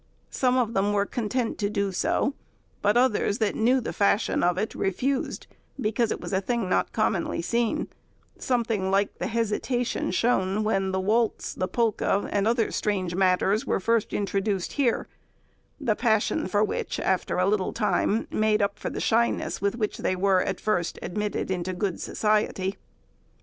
Some of them were content to do so, but others that knew the fashion of it refused, because it was a thing not commonly seen, something like the hesitation shown when the waltz, the polka, and other strange matters, were first introduced here, the passion for which, after a little time, made up for the shyness with which they were at first admitted into good society.